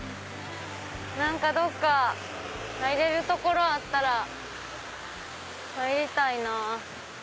どっか入れる所あったら入りたいなぁ。